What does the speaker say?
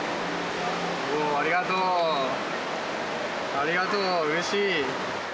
ありがとううれしい。